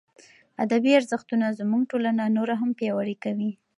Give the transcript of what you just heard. ادبي ارزښتونه زموږ ټولنه نوره هم پیاوړې کوي.